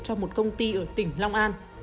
trong một công ty ở tỉnh long an